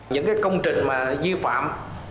những cái công trình mà di phạm